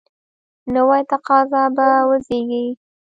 نوي تقاضا به وزیږي.